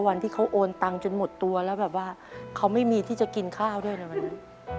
วันที่เขาโอนตังค์จนหมดตัวแล้วแบบว่าเขาไม่มีที่จะกินข้าวด้วยนะวันนั้น